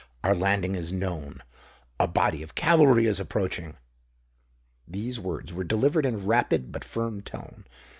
Our landing is known—a body of cavalry is approaching." These words were delivered in a rapid but firm tone.